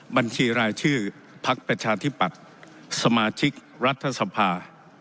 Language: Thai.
บัญชีรายชื่อพักประชาธิปัตย์สมาชิกรัฐสภา